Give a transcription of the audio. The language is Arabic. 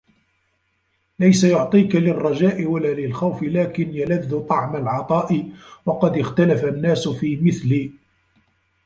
لَيْسَ يُعْطِيك لِلرَّجَاءِ وَلَا لِلْخَوْفِ لَكِنْ يَلَذُّ طَعْمَ الْعَطَاءِ وَقَدْ اخْتَلَفَ النَّاسُ فِي مِثْلِ